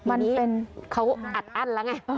ปีนี้เขาอัดอันแล้วไง